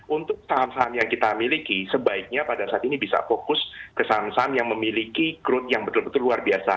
untuk saham saham yang kita miliki sebaiknya pada saat ini bisa fokus ke saham saham yang memiliki growth yang betul betul luar biasa